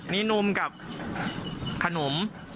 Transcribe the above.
มีนุ่มกับขนม